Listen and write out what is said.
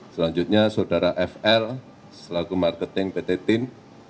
selanjutnya saudara fl selaku marketing pt tim